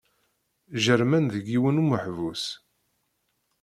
Jerrmen deg yiwen umeḥbus.